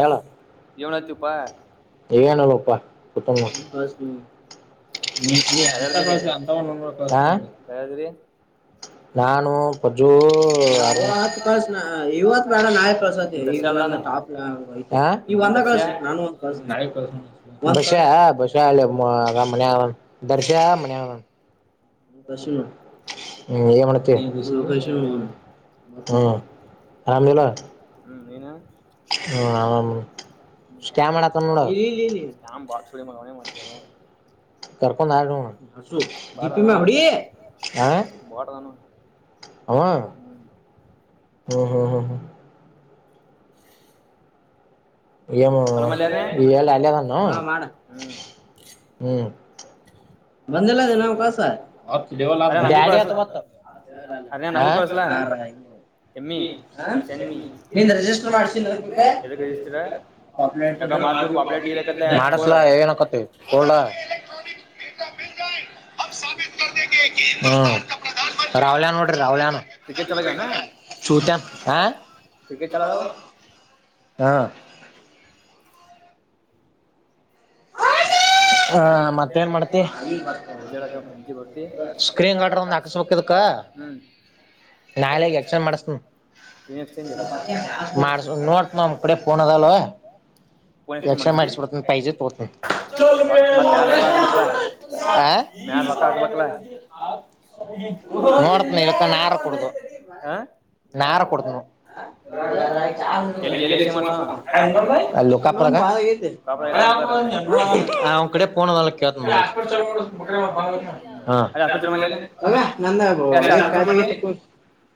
ಹೇಳ ಏನಿಲಪ್ಪ ಊಟ ಮಾಡು ಹಾ ನಾನು ಪಜ್ಜು ಇವತ್ತ ಬೇಡ ನಾಳೆ ಕಳಸ ಬಸ್ಸಾ ಅಲ್ಲಿ ರಾಮ ಮನ ದರ್ಶ ಮನೆಗ ಅದನ್ ದರ್ಶನ ಹ್ಮ್ ಏನ್ ಮಾಡತಿ ಹು ಹರಾಮ್ ನೀನಾ ಕಾಮ ಬಾರ್ಚೋಡಿ ಮಗ ಮಾಡತಿರೋದು ಕರ್ಕೊಂಡ ಆಡು ಆ ಅವ ಹಾ ಹಾ ಹಾ ಹಾ ಏನ ಅಲ್ಲೆ ಅದನ್ ಏನ್ ಅವ ಹ್ಮ್ ಬಂದಿಲ್ಲ ನ ಕಳಸ ಮಾಡಲ ಏಕ ಅ ಸಾಬಿತ ಹಾ ಕ್ರಿಕೆಟ್ ಚಲು ಆಗೆವು ಕ್ರಿಕೆಟ್ ಚಲೂ ಆಗೇವು ಹಾ ಹೂ ನಾಳಿಗೆ ಇನ್ಸ್ಟಲ್ಲ ಮಡಸಬೇಕ್ ಎಕ್ಷಾ ಮಾಡ್ಸಡ್ತ ಪೆ ಹೊತನ ನೋಡ್ತನ ಇಕ್ಕ ನಾರ ಕುಡುದು ನಾರ ಕುಡತ ಅ ಕಪಡ ಅವ್ ಕಡೆ ಪೋನದ ಕೇಳ್ತ ಹ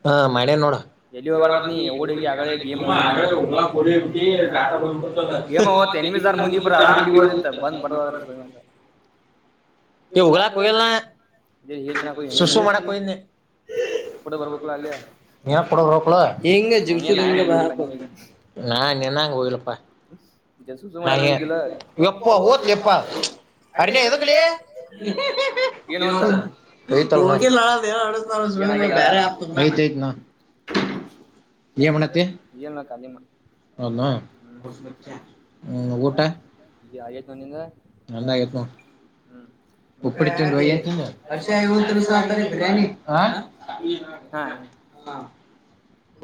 ಹ ಮ ನೋಡ ಉಾ ಕೊಲ್ ಸುಸು ಮಡ ನಾ ನಿಯಲಪ್ಪ ಶು ಶು ಮಾಡಗಿದ್ದಲ್ಲ ಅಪ್ಪ ಓತ್ಲಿಪ್ಪ ಅಡ ಎಕ್ಲಿ್ತ್್ತ್ನಾ ಏತ್ತ ಕಾಲಮ್ಮ ಅ ಹ್ಮ ಕಊಟ ಆಗೇ ನಿಂದಿಂದ ನಂದ ಉ ತಿ ಅ ಬಿ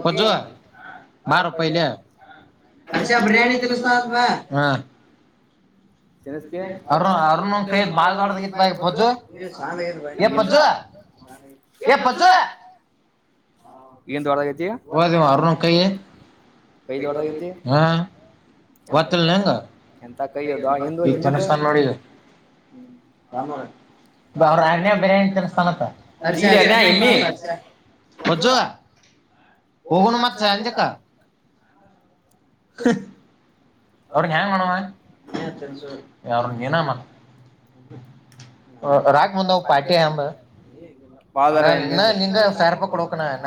ಹ ಬಾರ ಪಾಯ ಅಕ್ಷಾ ಬಿ ಸಾ ಹ ಹ ಬತವ ಅಾರಣ ಕೈ ಹಾ ಹ ಸ್ಥ ಮಾಡ ಅವ್ರ ಅಗ್ನ ಬರೆಂತ ಸ್ಾನ ಹೋಗಣ ಮತ್ಸ ಅಜೆ ಕ ಹ ಅವ್ರಿಗೆ ಹೆಂಗ ಮಾಡವಾ ಯ ಏನಾಮ ರಾಕ್ ಮುಂದ ಪಾರ್ಟಿ ಅಂಬ ನಿಂಗ ಸಾವಿರ ರೂಪಾಯಿ ಕೊಡಕಣ ನ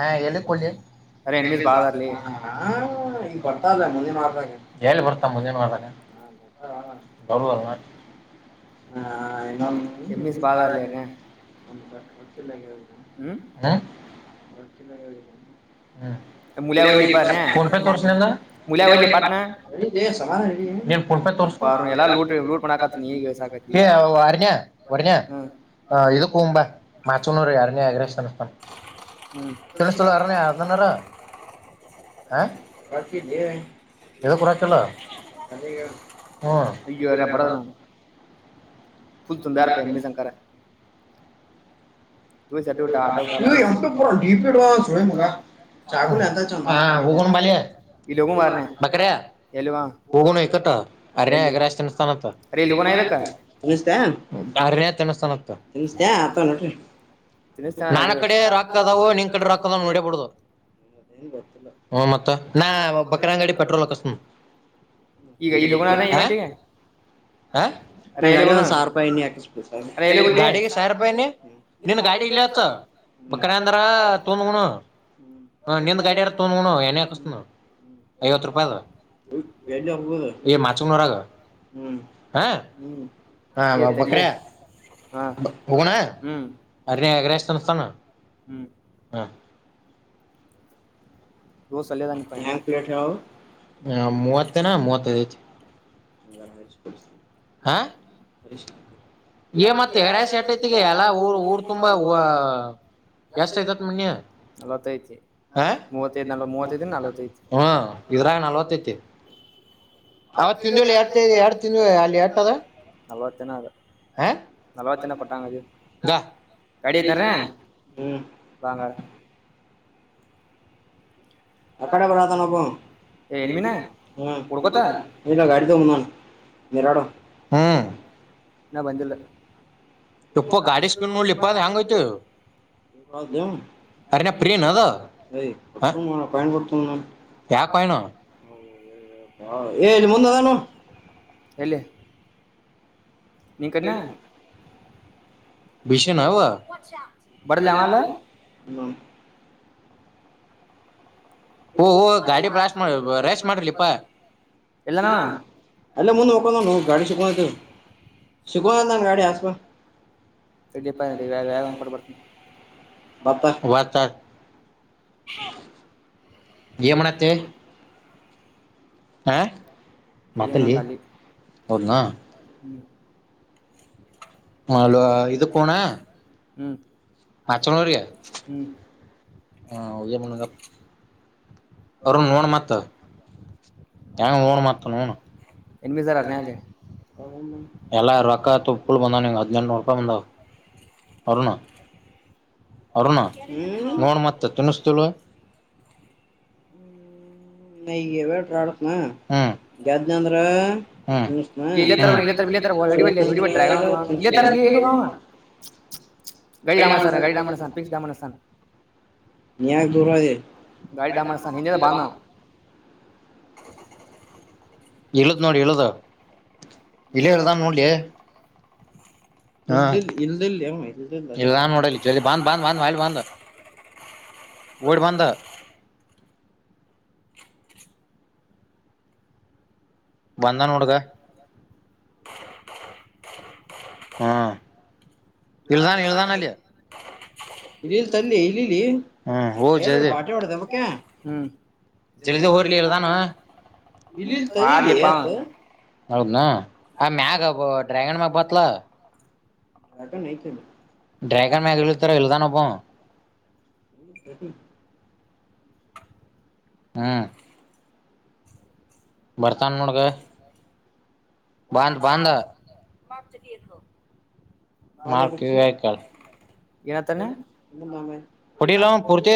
ಹೇಳ ಕೊ ಮುಂದ ಮಾಡತ ಎಮಸ್ ಬಾಧಾರಲನೆ ಅಕೆೆದು ಹ ಬಕ ಹ್ಮ ವಸ ತಷನೆ ಮುವ ನೀನ್ ಪಪ ತೋರ್ತ ಏ ಅನ್ಯ ವರ್ನ್ಯ ಇ ಕಂಬ ಮಾಚನ್ರ ಅರನ್ ಆಗ್ರ ತನ್ಸ್ತಾನ ತಿನ್ತ ಅರ್ಯ ಯನಾರ ಹ [unintelligible] ಅ ಹ ತುಂಬಾರಪೆನ್ಮೀ ಸಂಕಾರರ ಪ ಚ ಹ ಉಗ ಬ ಬಕರ ಉಗುಣ ಕತ ಅರೆೇಗ್ರಷ್ಟತನ ಸ್ತಾನ ಅರ ತನ ಸ್ಥಾನ ನಿಮಸ್ತೇ ಆ ತೊಣಟ್ರೆ ನಾ ಕಡೆ ರೊಕ್ಕ ಅದವು ನಿನ್ ಕಡೆ ರೊಕ್ಕ ಅದಾವಕ್ಕ ನೋಡಬಿಡುದು ಇಲ್ಲ ಹ ಮತ್ತ ನ ಬಕರಾಂಗಾಡಿ ಪೆಟ್ರೋಲ ಕಸ ಈಗ ಇಲ್ಲಿ ಹೋಗೋನಾರ ಇವೆಂಟ್ ಹ ನ ಗಡಿಯ ಒಂದು ಸಾವಿರ ರೂಪಾಯಿ ಇಣ್ಣ ಹಾಕ ಗಾಡಿಗೆ ಸಾವಿರ ರೂಪಾಯಿ ಗಾಡಿ ಇಲ್ಲ ಬ ಕ ಅಂದ್ರ ತೊಂದುಗು ಹ ನಿಂದು ಗಾಡಿರ ತ ಏನಕ ಐವತ್ತು ರೂಪಾಯಿ ಮಚಗನೂರಾಗ ಹ ಹ ಬಕ್ರ ಹೋಗಣ ಅ ರೇ ಎಗ್ರಸ್ತನಸ್ ನ ಹಾಂ ಹ ಮೆ ಮೂವತ್ತು ನ ಮೂವತ್ತೖದು ಅಚ್ಚು ಹ [unintelligible] ಹಾ ಏನ್ ಮಾಡ್ತಿ ಯಾಶ್ ಆಗ್ತೈತಿ ಎಲ್ಲಾ ಊರ್ ತುಂಬಾ ಜಾಸ್ತಿ ಆಗಿದೆ ನಲವತ್ತು ಐತಿ ಮೂವತ್ತೈದು ನಲವತ್ತು ಮೂವತ್ತೈದು ಹ್ಮ ಇದ್ರಾಗ ನಲ್ವತ್ತೈತಿ ಅವತ್ ತಿಂದುಲ್ಲಿ ಎ ಎರಡು ತಿಂದ್ವಲ್ಲ ಅಲ್ಲಿ ಎಟ್ಟದ ನಲವತ್ತಿನದುು ನಲವತ್ತು ಣ ಕೊಟ್ಟಾಂಗ ಅ ಗಡಿ ಎನರ ಬಂಗ ಅ ಕಡೆ ಬರತಾನ ಒಬ್ಬವ ಹ್ಮ ಇಲ್ಲ ಗಾಡಿ ಹ್ಮ ತೋಂಬಂದಾನ ಹ್ಮ್ ಇನ್ನ ಬಂದಿಲ್ಲ ಗಾಡಿ ಸ್ಪೀಡ್ ನೋಡಿ ಹೆಂಗೈತಿ [unintelligible] ಕರೆನ್ ಫ್ರೀಎನ್ ಅದು ಹಾ ಕಾಯಿನ್ಗೋಳ ತೋಬಂದಾನ್ ಯಾವ ಕಾಯಿನೂ ಇಲ್ಲಿ ಮುಂದದಾನ ನೋಡು ಎಲ್ಯ ನಿನ ಕಡೆ ನ ಬಡಲ್ಯಾ ಅವಲ್ಲ [unintelligible] ಓ ಓ ಗಾಡಿ ಬ್ಲಾಸ್ ಮಾಡ ರೆಸ್ಟ್ ಮಾಡಲೆಪ್ಪಾ ಎಲ್ಲಾನ ಅವ ಅಲ್ಲೇ ಮುಂದ ಮಕೊಂಡಾನೋ ಗಾಡಿ ಸಿಕೊಂಡೇತಿ ಅದ ಅನ್ನ ಗಾಡಿ ಸಿಕೊಂಡೇತಿ ಬಂತಲ್ಲ [inaudible] ಏಮಾಡಾತಿ ಹಾ ಮಾತಲ್ಲಿ ಹೌದನಾ ಹ್ಮ್ ಹಾ ಹಲೋ ಇದು ಫೋನಾ ಹ್ಮ್ ನಾಚ್ಚನೂರಿಗಿ ಹಾ ಹೊಗೆ ಬಿಡುನು ಗಪ್ಪ ಅವರು ನೋಡ ಮತ್ತ ಯಾನ್ ಹೋಗುಣುಮತ್ತ ನೋಡ್ ಎಲ್ಲಾ ರೊಕ್ಕಾ ತುಪ್ಪ ಫುಲ್ ಬಂದಾವ ನಿಂಗ್ ಹದಿನಂಟನೂರು ರೂಪಾಯಿ ಬಂದಾವ ಅರುಣ ಅರುಣ ಹ್ಮ್ ನೋಡ್ ಮತ್ತ ತಿನಸ್ತಿಲ್ಲೋ [unintelligible] ನೀ ಯಾಕ ದೂರ ಹೋದ್ಯಾ [unintelligible] ಇಳದ್ ನೋಡ ಇಳದ್ ಎಲ್ಲೆ ಇಳದಾನ ನೋಡಲೇ ಹಾ ಇಲ್ಲಿಲ್ಲ ಇಲ್ಲಿಲ್ಲೆ ಅವ ಇಲ್ಲಾ ನೋಡ ಅಲ್ಲಿ ಇಚಿಕಡೆ ಬಂದ್ ಬಂದ್ ಬಂದಹೇಳಿ ಬಂದ ಓಡ ಬಂದ ಬಂದಾನ ನೋಡದ [unintelligible] ಹ್ಮ ಇಳದಾನ ಇಳದಾನ ಅಲ್ಲಿ ಇಳಿಲೀ ತಡಿಲೆ ಇಳಿಲೀ ಹೋಗ್ ಜಲ್ದಿ ಎಲ್ಲಿ ಪಾರ್ಟಿ ಹೊಡದ್ಯಾ ವಿಕ್ಯಾ ಜಲ್ದಿ ಹೋಗರಲೆ ಇಳದಾನ ಇಲಿಲಿ ತಡಿಲೆ [unintelligible] ಹೌದನಾ ಹ ಮ್ಯಾಗ ಅಬ್ಬ ಡ್ರ್ಯಾಗನ್ ಮ ಬತ್ಲ ಯಾಗ ನೇ ಡ್ರಾಗನ್ ಮೇಗ ತರ ಎಳದಾನಪ್ಪ ನೀ ಕೆಟ ಆಹ್ ಬರ್ತಾನ ನೋಡಗ ಬಂದ ಬಂದ [unintelligible] ಆಕೆ ಇಕೆಳ [inaudible] ಪುಡಿಲನ್ ಪೂರ್ತಿ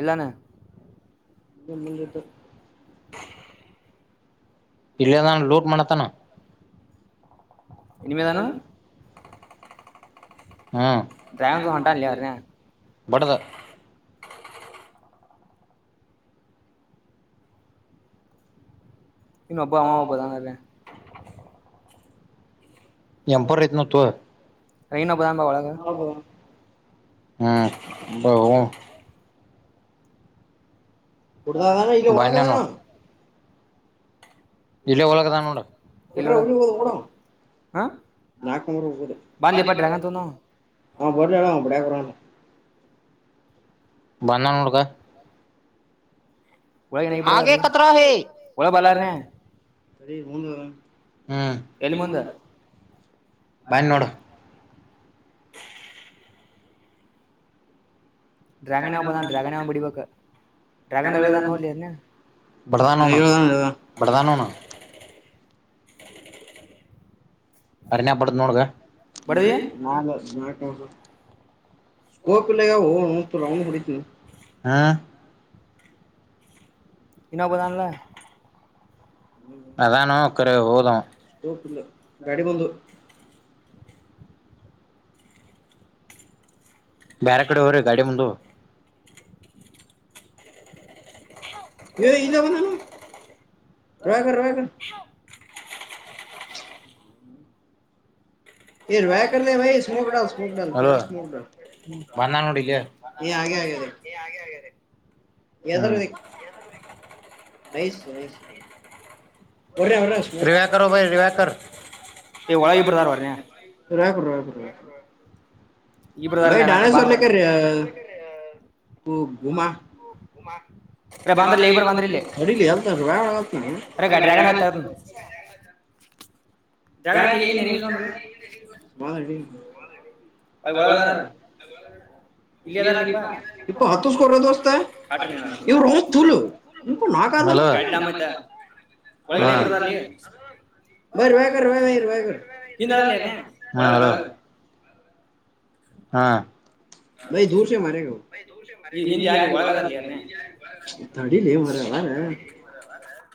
[inaudible] ಎಲ್ಲಾನ ನಿ ಮುಟ್ಟು [unintelligible] ಇಲ್ಲೆ ಇದ್ದಾನ ಲೂಟ್ ಮಾಡತಾನ ನೀವು ಏನು ಹ್ಮ್ [inaudible] ಬಡದ ಇನ್ನು ಒಬ್ಬಾ ಅಮ್ಮ ಒಬ್ಬಾ ತಾನ್ರ ಎಂಪರ್ ರತನತ ಹ್ಮ ಬಹೂ ಕುಡುದಾನ ಇಗ ಒ ಇಲ್ಲೆ ಒಳಗ ಇದಾನಾ ನೋಡು [unintelligible] ನೋಡು ನಾಲ್ಕು ನೂರು ಹೋದ [unintelligible] ಅವನು ಬರಲಿ ಹೇಳು ಬಂದ ನೋಡು ಗ ಆಗ ಕತರ ಹ ಅರಿ ಹನ್ ಹ್ಮ್ ಬಾಯ ನೋಡ ಬರದಾನ ಬರದಾನ ಅರಿನಾಪಡ ನೋಡುಗ ನ ಸ್ಕೋಪ್ ಇಲ್ಲಗ ನ ರೌೊಂಡ್ ಹೊಡಿತ ಹಾ ಇನ್ನೊ ಒಬದನ್ಲ್ಲ ಅಾನುಕ್ಕರ ಊದ ಕರಿಗಂದು ಬೇರೆ ಕಡೆ ಹ ರೀ ಗಾಡಿ ಮುಂದ ಇ ಇಲ್ಲ ಬಂದಾನ ರಾಯಗ ರಗ ಆಗ ಆಗ [unintelligible] ರರಿವ್ಯಾಕ ಭ ರರಿವಕ [unintelligible] [unintelligible] [unintelligible] ಉಮ್ಮಾ [unintelligible] [unintelligible] [unintelligible] ಇ ಹತ್ತು ಸ್ಕೋ ದೋಸ್ತ [unintelligible] [unintelligible] ಹಾ ಈಗ ಹಿಂದೆ ಯಾರಗ ಒಳಗದಾರ್ಲಿ ಯಾರನ್ನೇ